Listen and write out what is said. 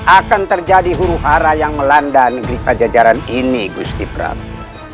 akan terjadi huru hara yang melanda negeri pajajaran ini gusti prab